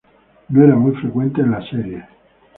No era muy frecuente en la serie.